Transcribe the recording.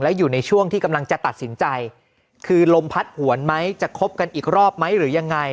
อยู่ในช่วงที่กำลังจะตัดสินใจคือลมพัดหวนไหมจะคบกันอีกรอบไหมหรือยังไง